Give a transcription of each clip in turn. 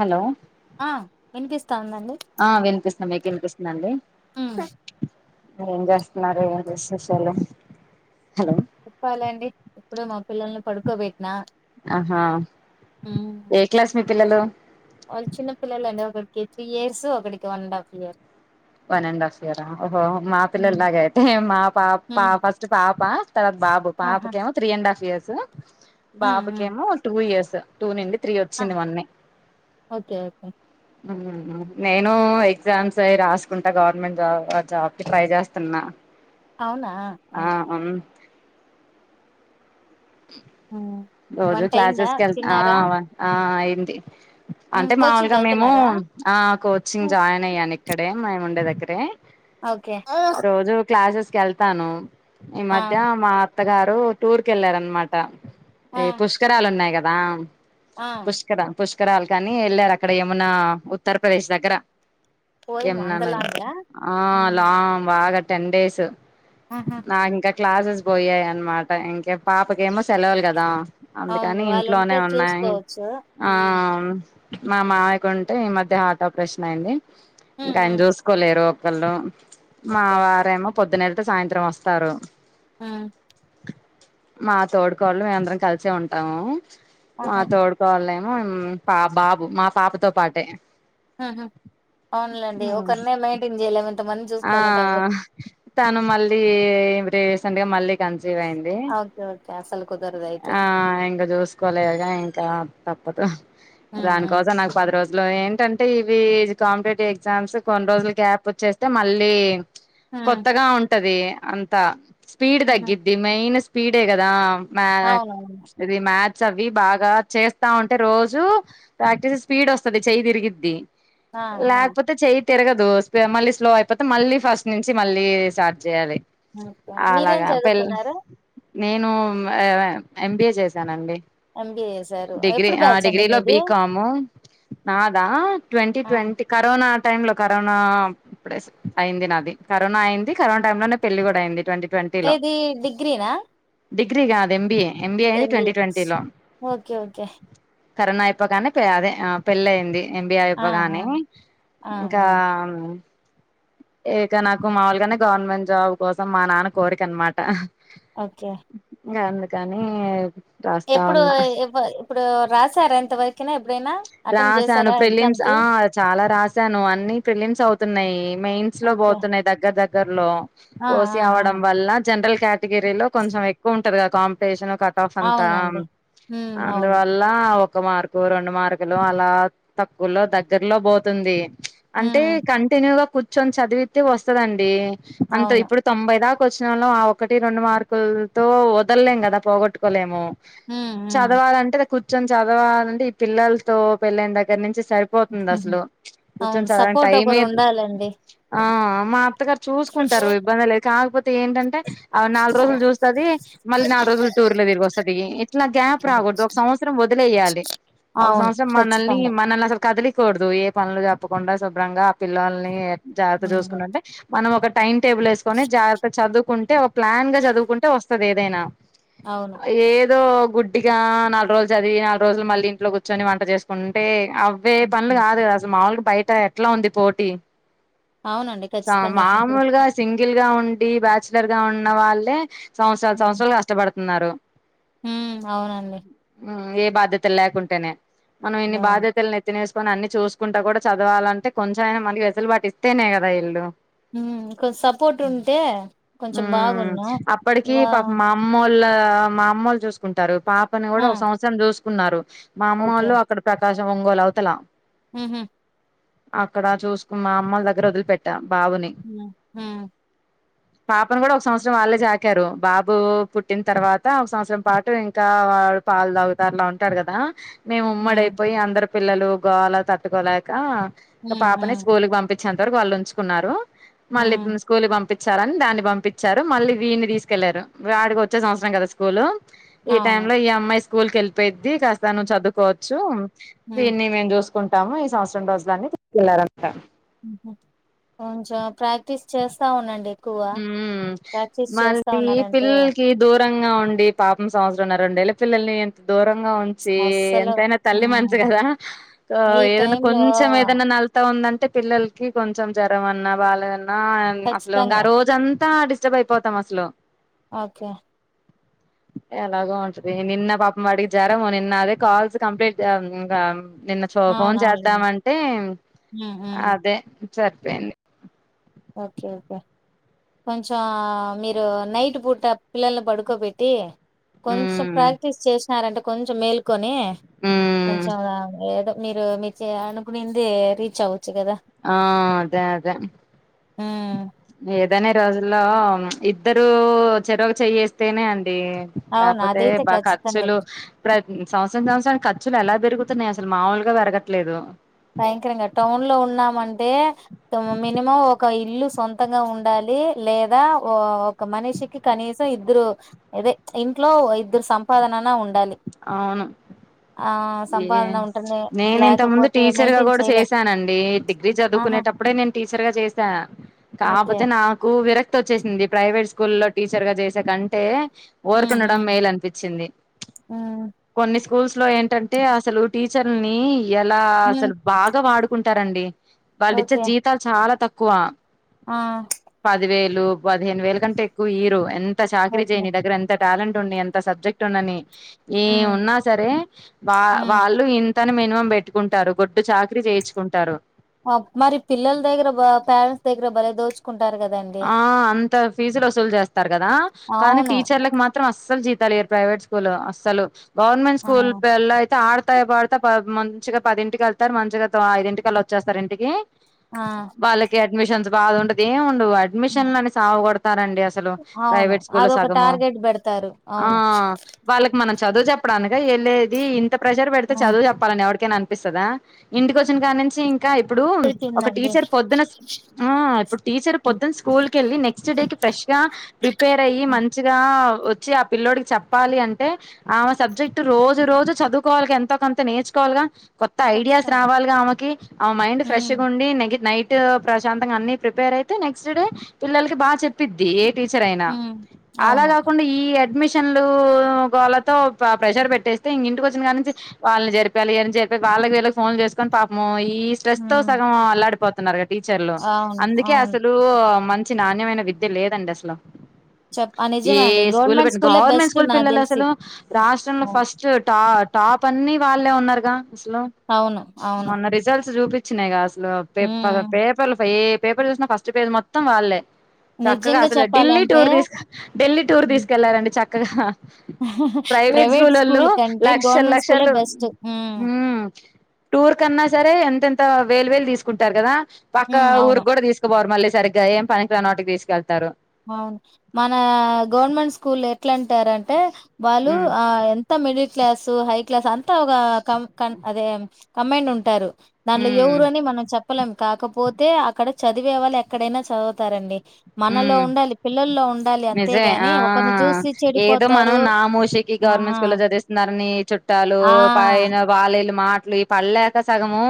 Hello ఆ వినిపిస్తా ఉందండి ఆ వినిపిస్తుంది మీకు వినిపిస్తుందాఅండి మీరే ఏం చేస్తున్నారు. ఏం విశేషాలు హలో చెప్పాలండి ఇప్పుడే మా పిల్లల్ని పడుకోబెట్ ఆహా ఏ క్లాస్ మీ పిల్లలు వాళ్ళు చిన్న పిల్లలు అండి ఒకడికి త్రీ ఇయర్స్ ఒకడికి one and half year one and half ఇయరా మా పిల్ల హ్మ్. ఎలాగ అయితే మా పా పా హ్మ్. ఫస్ట్ పాప తర్వాత బాబు పాప ఆహా కేమో త్రీ అండ్ హఫ్ ఇయర్స్ స హ్మ్. హ్మ్. బాబుకేమో టూ ఇయర్స్ టూ నుండి త్రీ ఆ! వచ్చింది మొన్నే ఓకే ఓకే నేను ఎగ్జామ్స్ అయి రాసు కుంట గవర్నమెంట్ జాబ్ ఆ జాబ్ కి ట్రై చేస్తున్నా అవునా ఆ ఉమ్ అవును హ్మ్. రోజు వంట అయిందా క్లాసెస్ కెల్ ఆ తిన్నారా అంది అంటే కోచింగ్కి మాముూలుగా మేము వెళ్తున్నారా ఆ కోచింగ్ జాయిన్ అయ్యాను ఇక్కడే మేము ఉండేదగ్గర రే ఓకే ఆ రోజు క్లాసెస్ కెళ్తాను ఈ ఆ మధ్య మా అత్త గారు టూర్ కెళ్ళార అనమాట ఏ పుష్కరాలు ఉన్నాయి కదా రామ్ ఆ పుష్కరా పుష్కరాలు కనీ వెళ్ళారు. అక్కడ యమునా ఉత్తరప్రదేశ్ దగ్గర. ఓయమ్మా అంత ఎన్నాలు లాంగా ఆ హ్మ్. లా బాగాట్ టెన్ డేస్ ఆహా నా ఇంక క్లాసెస్ పోయాయి అన్మట ఇంక పాపకమో సెలవులు కదా. అవునులే వాళ్ళు ఉంటే అంద్ చూసుకోవచ్చు హ్మ్. మా మావయ్య కంటే ఈ మధ్య హార్ట్ ఆపరేషన్ అయింది ఇంక హ్మ్. ఆయన హ్మ్. చూసుకోలేరు. గోలో మా ఓకే వారేమో పోదునేల్తే సాయంత్రం వస్తారు. ఆ మా తోడుకోడలు మేము అందరం కలిసే ఉంటాము. మా ఆహా తోడికోడలే ఉ పా బాబు మా పాపతో పాటే హ హ అవునులేండి ఒకరినే మెయింటైన్ చేయలేమని ఆ తను మళ్ళీ రీసెంట్గా మళ్ళీ కన్సీవ్ అయింది. ఓకే ఓకే అసలు కుదరదు అయితే ఆ ఇంకా చూసుకోలేదు. ఇంకా తప్పదు హ్మ్ హ్మ్ దానికోసం నాకు పది రోజు లో ఏంటంటే ఇవి కాంపిటేటివ్ ఎగ్జామ్స్. కొన్ని రోజులు గ్యాప్ వచ్చే తే మళ్ళీ హ్మ్ కొత్తగా ఉంటది. అంతా. స్పీడ్ హుహు తగ్గింది మెయిన్ స్పి స్పీడ్ ఏ కదా మా అవునవును ఇది మాది సవి బాగా చేస్తా ఉంటే రోజు ప్రాక్టీస్ స్పీడ్ వస్తది చెయి తిరిగిద్ది ఆ! ఆ! లేకపోతే చేయి. తిరగదు స్పి మళ్ళీ స్లో అయిపోతే మళ్ళీ ఫస్ట్ నుంచి మళ్ళీ స్టార్ట్ చేయాలి ఓకే మీరేం అలాగా పెళ్ చదువుకున్నారు నేను ఎంబిఏ చేశానండి. ఎంబీఏ చేశారు. డిగ్రీ ఎప్పుడు ఆ బ్యాచ్ అండి డిగ్రీలో మీది? బీకాము నాదా ట్వంటీ ఆ! ట్వంటీ కరోనా టైమ్ లో కరోనా ప్పుడే అయింది నాది కరోనా అయింది. కరోనా టైం లోనే పెళ్లి కూడా అయింది. ట్వంటీ ట్వంటీ లో ఏది డిగ్రీనా ఆ డిగ్రీ కాదు ఎంబిఏ ఎంబిఎ స్ ఓకే ఓకే కరోనా అయిపోగానే పే అదే పెళ్లయింది ఎంబిఎ ఆ! ఆ! ఐపోగానే ఆ! ఇంకా ఆ! ఇక నాకు మాముూలుగానే గవర్నమెంట్ జాబ్ కోసం మా నాన్న కోరిక అనమాట ఓకే కానీ ఎప్పుడు ఎప ఇప్పుడు రాశార ఎంతవరకైనా రాసాను ప్రిలిమ్స్ ఆ చాలా రాసాను అన్ని ప్రిలిమ్స్ అవుతున్నాయి మెయిన్స్ లో ఓకే. పోతున్నాయి దగ్గర దగ్గర దగ్గర్ లో ఆ! ఓశి ఆ! ఆ! అవడం వల్ల జనరల్ కేటగిరీ లో కొంచెం ఎక్కువ ఉంటది గా కాంపిటీషన్ కట్ ఆఫ్ అంతా అవునండి. హ్మ్. అవును. అందువల్ల ఒక మార్కు రెండు మార్క్ లు అలా తక్కువలో దగ్గరలో బోతుంది ప్చ్ అంటే హ్మ్. కంటిన్యూగా కు చ్చొని చదివితే వస్తదండి అంత అవును. ఇప్పుడు తొంభై దా వచ్చినంలో ఆ ఒకటి రెండు మార్కుల తో వదల్లేం కదా పోగొట్టుకోలేము హ్మ్ హ్మ్ చదవాలంటే నాకు ఇష్టం చదవాలంటె ఈ పిల్లల్ తో పెళ్లి అయిన దగ్గర నుంచి సరిపోతుంది హుహు అసలు ప్చ్ కూర్చొం అవును చదవని సపోర్ట్ టైమే ఒకరుండాలండి. ఆ మా అత్తగారు చూసుకుంటారు అవును ఇబ్బంది లేదు, కాకపోతే ఏంటంటే నాలుగు రోజులు చూస్తది, మళ్ళీ నాలుగు రోజులు టూర్ లో తిరిగి వస్తుంది. ఇట్లా గ్యాప్ రాకూడదు ఒక సంవత్సరం వదిలేయ్యాలి ఒక అవును. సంవత్సరం. మనల్ని ఖచ్చితంగా మనల్ అకడ్ కదలికూడదు ఏ పనులు చెప్పకుండా శుభ్రంగా ఆ పిల్లొల్ని జాగ్రత్త హ్మ్ చూసుకుంటుంటే మనం ఒక టైం టేబుల్ వేసుకొని జాగ్రత్త చదువు కుంటే ఒక ప్లాన్ గా చదువుకుంటే వస్తది ఏదైనా అవును. ఏదో గుడ్డిగా నాలుగు రోజులు చదివి నాలుగు రోజులు మళ్లీ ఇంట్లో కూర్చొని వం ట జేసుకుంటే అవ్వే పనులు హుహు. కాదు అసలు మాములుగా బయట ఎట్లా ఉంది పోటీ అవునండి సా ఖచ్చితంగా ఇప్పుడు మామూలుగా సింగ్ గిల్ గా ఉండి బ్యాచలర్ గా ఉన్న వాళ్ళే సంవత్సరాలు హ్మ్ సంవత్సరాలు కష్టపడు తున్నారు హ్మ్ అవునండి మ్ ఏ బాధ్యతలు లేకుంటేనే మనం ఇన్ని అవును. బాధ్యతలను నెత్తినేస్ కానీ అన్ని చూసుకుంటా కూడా చదవాలంటే కొంచెమైనా మనకి వెసులుబాటిస్తేనే కదా ఈల్లు హ్మ్ కొ సపోర్ట్ ఉంటే కొంచెం బాగున్ను వా వాళ్ళ మా అమ్మోలు చూసుకుంటారు పాపని ఆ! కూడా ఒక సంవత్సరం జూస్. ఉన్నారు. మా అమ్మోలు పాప్. ప్రకాశం, ఒంగోల్ అవతల. ఉహుమ్. అక్కడ చూసుకున్న, అమ్మోల దగ్గర వదిలిపెట్ట. హుమ్మ్ హా. పాపను కూడా ఒక సంవత్సరం వాళ్ళే సాకారు. బాబు పుట్టిన తర్వాత, ఒక సంవత్సరం పాటు ఇంకా వాడు పాలు తాగుతారు, అలా ఉంటారు కదా. మేము ఉమ్మడ్. హ్మ్. దైపోయి అందరు. పిల్లలు, గోల తట్టుకోలేక. ఇక హ్మ్. పాపని హ్మ్. స్కూల్ కి పంపిద్. చంతవరకు వాళ్ళు ఉంచుకున్నారు. మళ్ళీ హ్మ్. స్కూల్ కి పంపిత్. చ్చారని దాన్ని పంపించారు. మళ్ళీ వీడిని తీసుకెళ్లారు, వాడికి వచ్చే సంవత్సరం కదా స్కూలు. ఈ టైమ్ అవును. లో ఈ అమ్మాయి స్కూ. స్కూల్కి ఏళ్ళిపోయిద్ది, కాస్త నువ్వు చదుకోవచ్చ్. చ్చు. హ్మ్. వీన్ని మేము జూస్. కుంటాము. ఈ సంవత్సరం రోజులన్ని తీసుకెళ్లారంట. కొంచెం ప్రాక్టీస్ చేస్తా ఉండండి. ఎక్కువ. హ్మ్ ప్రాక్టీస్ చేస్తా మళ్ళీ ఉన్నారంటే పిల్లలకి దూరంగా ఉండి, పాపం సంవత్సరంనర, రెండేళ్ళక్. పిల్లల్ని ఎంత్. దూరంగా ఉంచి, అస్సలు ఎంతైనా తల్లి మనస్సు హ్మ్. కదా, ఈ ఏదన్నా టైంలో కొంచెం ఏదైనా నళ్తా ఉందంట్. టే పిల్లలకి కొంచెం, జ్వరం అన్నా బాలేదు. ఆ అన్ అసలు ఖచ్చితంగా. [unintelligible] అంతా, డిస్ట్రబ్ అయిపోతాం అసలు. ఓకే ఎలాగో ఉంటది. నిన్న పాపం వాడికి జరము నిన్న. అదే కాల్స్ కంప్లీట్ చేయాలి ఇంకా. నిన్న శో ఫోన్ అవునవునులెండి. చేద్దామంటే హ్మ్. హ్మ్. అదే. సరిపోయింది. ఓకే ఓకే కొంచెం, మీరు నైట్ పూట పిల్లల్ని పడుకోబెట్టి. కొంచెం ఉమ్ ప్రాక్టీస్ చేస్త్. స్తారట, అంటే కొంచెం మేల్క్. కొని, ఉమ్ కొంచెం ఏదో. మీరు మీ అనుకునేంది రీచ్ అవ్ ఆ అదే అదే హ్మ్. ఏ ఏదనే రోజుల్లో ఇద్దరు చెరొక చెయేస్తేనే అం అవును. లేకపోతే అదైతే బాగా ఖచ్చితంగే. ఖర్చులు ప్ర సంవత్సరనికి సంవత్సరానికి అసలు ఎలా పెరుగుతున్నాయి అసలు మామూలుగా పెరగట్లేదు భయంకరంగా టౌన్ లో ఉన్నామంటే మినిమం ఒక ఇల్లు సొంతంగా ఉండాలి లేదాఓ మనిషికి కనీసం ఇద్దరు అదే ఇంట్లో ఇద్దరు సంపాదననా ఉండాలి అవును ఆ ఏ సంపాదన ఉంటుంది నేను ఇంత ముందు టీ లేకపోతే చ్చర్గా మెయింటైన్ కూడా చేయలేం చేశానండి డిగ్రీ ఆహా చదువుకునేటప్పుడే నేన్ టీచర్ గా చేసా ఓకే కాకపోతే నాకు విరక్తి వచ్చేసింది ప్రైవేట్ స్కూల్లో టీచర్గా చేేస్ ఎంతకంటే ఉమ్ ఉరుకుండడం ఉమ్ మేలు అనిపించింది ఉమ్ కొన్ని స్కూల్స్ లో ఏంటంటే అసలు టీచర్లని ఎలా ఉమ్ అసలు బాగా వాడు కుంటారండి వాళ్లు ఇచ్చే ఓకే జీతాలు చాలా తక్క కువ ఆ లు పదిహేను వేల కంటే ఎక్కువ ఇయరు ఎన్ త చాకిరి ఓకే జేనీదగ్గరెంత టాలెంట్ ఉండి ఎంత సబ్జెక్ట్ ఉండని ఏం ఉమ్ ఉన్నా సరే వా ఉమ్ వాళ్ళు ఇ తను మినిమం పెట్టుకుంటారు గొడ్డు చాకరీ చేయించుకుంటారు మరి పిల్లల దగ్గర పేరెంట్స్ దగ్గర బలే దోచు ఆ అంత ఫీజులు వసూలు చేస్తారు కదా కానీ అవును టీచర్లలకు మాత్రం అస్సలు జీ తలియారు ప్రైవేట్ స్కూల్ అస్సలు గవర్నమెంట్ ఆ స్కూల్ పల్లా అయితే ఆడత త్త పడతే ప మంచిగా పదింటికి వెళ్తారు మంచిగా ఐదింటి కల్లా వచ్చేస్తారు ఇంటికి ఆ వాళ్ళకి అడ్మిషన్స్ బాదుండదు ఏం ఉండవ్ డ్మిషన్లని సావగోడ రండి అసలు అవును ప్రైవేట్ స్కూళ్లో అదొక సగము టార్గెట్ పెడతారు ఆ అవును వాళ్ళకి మన చదువు చెప్పడానికా ఎళ్ళేది ఇ ప్రెషర్ పెడితే ఆ చదువు చెప్పాలని ఎడికైనా పిస్తుదా ఇంటికి వచ్చిన కా నుంచి ఇం ఇంకా ఇప్పుడు ఒక తెలిపిందండి టీచర్ పొద్దున ఆ ఇప్పుడు టీచర్ పొద్దున స్కూల్ వెళ్ళి నెక్స్ట్ ఫ్రెష్ గా ప్రిపేర్ అయ్యి మంచిగా వచ్చి ఆ పిల్లోడికి చెప్పాలి అంటే ఆమె సబ్జెక్ట్ రోజు రోజు చదువుకోవాలి ఎంతో కొంత నేర్చుకోవాలిగా కొత్త ఐడియాస్ ఖచ్చితంగా రావాలిగా ఆమెకి ఆమె మైండ్ ఫ్రెష్ ఉమ్ గా ఉండి నెగి నైట్ ప్రశాంతంగా అన్ని ప్రిపేర్ అయితే నెక్స్ట్ డే పిల్లలకి బాగా చెప్పిద్ది టీచర్ అయినా ఉమ్ అలా అవును కాకుండా ఈ అడ్మిషన్లు గోలతో ప్రెషర్ పెట్టేస్తే ఇంక ఇంటికి వచ్చిన కాని నుంచి వాళ్ళని చెరిపోయాలి వెళ్ళని చెరిపోయాలి వాళ్ళకి వీళ్ళకి ఫోన్లు చేసుకొని పాపము ఈ స్ట్రెస్ తో ఉమ్ సగం అలాడిపోంది గన టీచర్లు అవును అందుకే అవును అసలు మంచి నాణ్యమైన విద్య లేదండి అసలు చెప్ ఆ ఏ నిజమే అండి స్కూల్ గవర్నమెంట్ పెట్టి స్కూలే గవర్నమెంట్ బెస్ట్ స్కూల్ నాకు పిల్లలు తెలిసి అసలు రాష్ట్రంలో అవును ఫస్ట్ టా టాప్ అన్ని వాళ్ళే ఉన్నరుగా సలు అవును అవును మొన్న రిజల్ట్స్ చూపి చ్చినయిగాస్ పే ఉమ్ పేపర్లు పె పేపర్ చూసిన ఫస్ట్ పేజ్ మొ త్తం వాళ్ళే చక్కగా నిజంగా అసలు ఢిల్లీ చెప్పాలంటే టూర్ తీసుక ఢిల్లీ టూర్ తీసుకెళ్లారండి చ క్కః హ హా ప్రైవేట్ స్కూల్ కంటే లక్షలు గవర్నమెంట్ స్కూలే లక్షలు బెస్ట్ మ్ ఉమ్ టూర్ కన్నా సరే ఎంతెంత వేలు వేలు తీసుకుంటారు కదా పక్క ఉమ్ అవును ఊరు కూడా తీసుకపోరు మళ్ళీ ఇంకా ఎం పనికిరానోటికి తీసుకెళ్తారు అవ్ను మన గవర్నమెంట్ స్కూల్ ఎట్లా అంటారంటే వాళ్ళు ఉమ్ ఆ ఎంత మిడిల్ క్లాసు హై క్లాస్ అంతా ఒక కం క అదే కంమైడ్ ఉంటారు దాంట్లో ఉమ్ ఎవరు అని మనం చెప్పా లేం కాకపోతే అక్కడ చదివే వాళ్ళు ఎక్కడైనా చదువుతారండి మనలో ఉమ్ ఉండాలి పిల్లల్లో ఉండాలి నిజమే ఆ అంతేగాని ఒకరిని చూసి ఏదో మనం చెడిపోతారు నా మూషీకి గవర్నమెంట్ స్కూల్లో ఆ చదివిస్తున్నారని చుట్టాలు ఆ పైన వాళ్ వీళ్ల మాటలు ఈ పడలేక సగము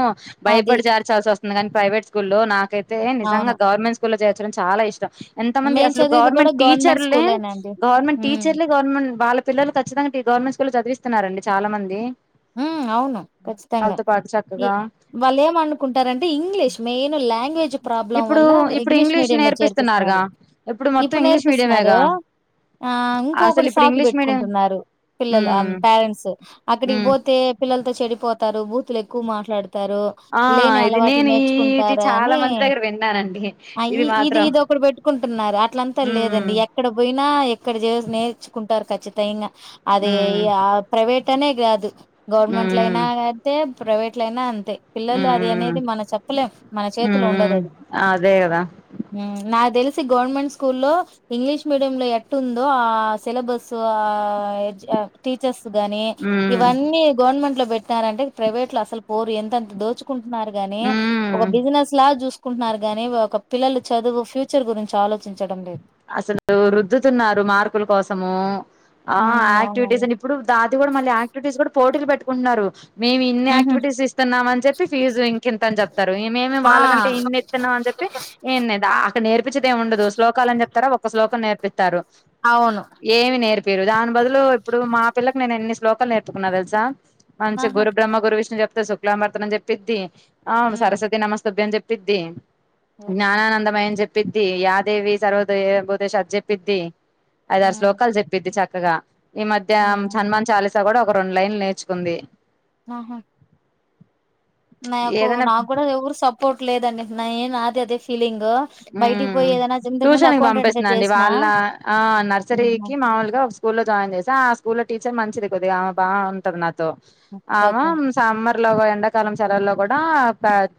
అది భయపడి చేర్చాల్సి వస్తు స్తుంది కాని ప్రైవేట్ స్కూల్లో నాకైతే తే నిజంగా అవును గవర్నమెంట్ స్కూ స్కూలో చేర్చడం చాలా ఇష్టం ఎంత మంది మేం అసలు చదివింది కూడా గవర్నమెంట్ టీచర్లే స్కూలేనండి గవర్నమెంట్ ఉమ్ టీచర్లే గవర్నమెంట్ వాళ్ళ పిల్లలు ఖచ్చితంగా ఇ గవర్నమెంట్ స్కూల్లో చదివిస్తున్నారు అండి చాలా మంది ఉమ్ అవును ఖచ్చితంగా వాళ్ళతో పాటు ఇ చక్కగా వాళ్ళు ఏమనుకుంటారంటే ఇంగ్లీష్ మెయిన్ లాంగ్వేజ్ ప్రాబ్లం ఇప్పుడు వల్ల ఇప్పుడు ఇంగ్లీష్ మీడియం లో చేర్పి నేర్పిస్తున్నారుగా మొత్తం ఇప్పుడు ఇంగ్లీష్ నేర్పిస్తున్నారు మీడియమేగా ఆ అసలు ఇంకొకటి ఇప్పుడు సాకు ఇంగ్లీష్ మీడియం పెట్టుకుంటున్నారు పిల్లలు అ ఉమ్ పేరెంట్స్ అక్కడికి ఉమ్ పో తే పిల్లలతో చెడిపోతారు బూతులు ఎక్కువ మాట్లాడ్ తారు ఆ లేని ఇది అలవాట్లు నేను ఇది నేర్చుకుంటారా చాలా అని మంది దగ్గర విన్నానండి ఆ ఇ ఇది ఇది ఒకటి పెట్టుకుంటున్నారు అట్లంతా ఉమ్ లేదండి ఎక్కడ పోయినా ఎక్కడ చే నేర్చుకుంటారు కచ్చి తే ఇంగ అదే ఉమ్ ఆ ప్రైవేట్ తనే గాదు గవర్నమెంట్లయినా ఉమ్ అంతే ప్రైవేట్ల అయినా అంతే పిల్లలు అది ఉమ్ అనేది మన చెప్పలేం మన చేతిలో ఉండదు ఉమ్ అది అదే కదా నా తెలిసు లిసి గవర్నమెంట్ స్కూల్లో ఇంగ్లీష్ మీడియం లో ఎట్ఉందో ఆ సిలబస్ ఆ టీచర్స్ గాని ఉమ్ ఇవ్వన్ని గవర్నమెంట్ లో పెట్నరంటే ప్రైవేట్ లో అసలు పోరు ఎంతతా దోచు కుంటున్నారు గాని ఉమ్ ఒక బిజినెస్ లా చూస్ కుంటున్నారు గానీ ఒక పిల్లలు చదువు ఫ్యూచర్ గురించి ఆలోచించడం లేదు అసలు రుద్దుతున్నారు మార్కుల కోసము ఆ ఉమ్, యాక్టివిటీస్ అవునవును అని ఇప్పుడు దా ఇది కూడా మళ్ళ క్టివిటీస్ కూడా పోటీలు పెట్టుకుంటున్నారు మేము ఇన్ని ఉహు యాక్టివిటీస్ ఇస్తున్నాం అని చెప్పి ఫీజు ఇంకింత అని చెప్తారు మేము ఆ వాళ్ళకంటే ఎన్ని ఇన్నీస్తునం అని చెప్పి ఏ అక్కడ నేర్పిచేది ఎం ఉండదు శ్లోకాలు అని చెప్పి తార ఒక శ్లోకం నేర్పితారు అవును ఏమి నేర్పి పేరు దాని బదులు ఇప్పుడు మా పిల్లలకు నేను ఎన్ని శ్లోకాలు నేర్పుకున్నా తెలుసా మంచి గ్ ఆహా గురుబ్రహ్మ గురువిష్ణు చెప్త లా పడతనని చెప్పిద్ది ఆ ఉమ్, సరస్వతి నమస్తభ్య చెప్పి ద్దీ ఓకే జ్ఞాననందమయం చెప్ పిద్ది యాదేవి సర్వ ఏబు ద్ అజ్ చెప్పద్ది ఐద ఆరు ఉమ్, శ్లోకాలు చెప్పది చక్క క్కగా ఈ మధ్య ఉమ్, హన్ మాన్ చాలీ చకగా ఒక రెండు లైన్లు నేర్చుకుంది ఆహా నాకు ఏదైనా నాకు కూడా ఎవరు సపోర్ట్ లేదండి నేన్ అదే అదే ఫీలింగ్ బయటికి హ్మ్ పోయి ఏదైనా ఇంతకు ముందు ట్యూషన్ కి అకౌంటెంట్ గా పంపిస్తున్నండి చేసిన వాళ్ళ ఆ నర్సరీకి మామూలుగా ఒక స్కూల్ లో జాయిన్ చేసి ఆ స్ క్ ల్లో టీచర్ మంచిది కొద్దిగా ఆ బాగుంటంది నాత్ తో ఆమె ఓకే సమ్మర్ ఎలాగు ఎండాకాలం సెలవుల్లో కూడా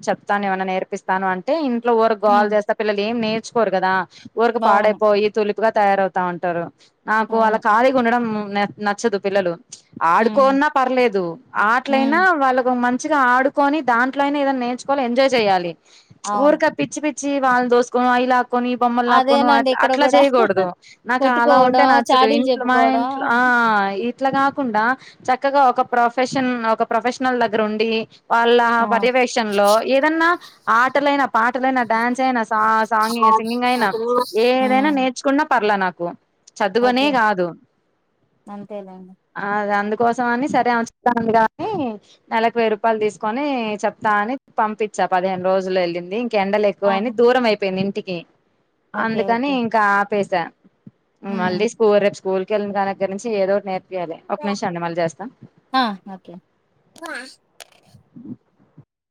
చెప్తాను ఏమైన్నా నేర్పిస్తాను అంటే ఇం వర గోల హ్మ్ చేస్త ఆళ్ళు ఏం నేర్చుకోరుకదా. ఊరుకే అవును పాడేపోయి తులిప్ గా తయారవుతా ఉంటారు. నాకు అలా అవును ఖాళీగా ఉండడం నాక్ నచ్చదు పిల్లలు. హ్మ్ ఆడుకోన్నా పర్లేదు ఆట్లైనా హ్మ్ వాళ్ళకు మం ంచిగా ఆడుకొని దాంట్లోనే ఏదైనా నేర్చుకోవాలి ఎంజాయ్ చేయాలి ప్చ్ అవును ఉరక పిచ్చి పిచ్చి హ్ వాళ దోస్ కొ అయిలా క్కొని బొమ్మలు లాక్కొను అ అదేనండి ఇక్కడ అట్లా కూడా చేయకూడదు నాకు అలా ఉంటే కొట్టుకోవడం నచ్చదు చాడీలు ఇంట్లో మా చెప్పుకోవడం ఇంట్లో ఆ ఇట్లా కాకుండా చక్కగా ఒక ప్రొఫెషన్ ఒక ప్రొఫెషనల్ దగ్గర ఉండి వాళ్ళ ఆ పర్యవేక్షణ లో ఏదన్నా ఆటలైన పాటలైనా డాన్స్ అయినా స ఆ సాంగ్ంగి సింగింగ్ అయినా ఏదైన హ్మ్ నేర్చుకున్నా పర్లే నాక్ ఒమ్ చదువనే ఓకే గాదు అంతేలేండి అ అద్ అందుక్ కోసమని సరే స్తా గాని నెలకు వెయ్యి రూపాలు తీస్కోని చెప్తా అని పంపించా పదిహేను రోజులు వెళ్ళింది ఇంకె ఎండ్ అని ఆహా దూరం అయిపోయింది ఇంటి ఇ ఓకే అందుకనీ ఓకే ఇంకా పెసా హ్మ్ మళ్ళీ స్కూరేప్ స్కూల్ ఎల్లిన కనా నుంచి ఎదో ఓటి నేర్ యాదే ఒక నిమిషమండి మళ్ళీ చేస్త ఆ ఓకే [inaudible]